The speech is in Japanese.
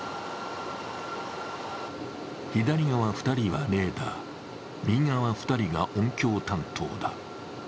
左側２人はレーダー、右側２人が音響担当だ。